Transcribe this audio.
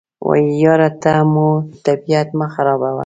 وایي یاره ته مو طبیعت مه راخرابوه.